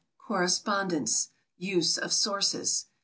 Correspondence USE OF SOURCES.